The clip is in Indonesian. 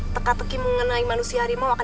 teka teki mengenai manusia harimau